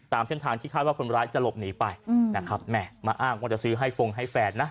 ตามเส้นทางที่คาดว่าคนร้ายจะหลบหนีไปนะครับแหม่มาอ้างว่าจะซื้อให้ฟงให้แฟนนะ